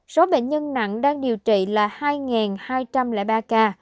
số bệnh nhân nặng đang điều trị là hai hai trăm linh ba ca